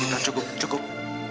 gita cukup cukup